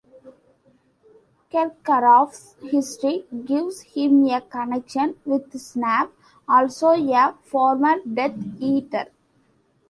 Karkaroff's history gives him a connection with Snape, also a former Death Eater.